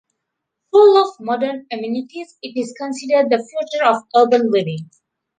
Full of modern amenities, it is considered the future of urban living.